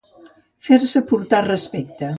Fer-se portar respecte.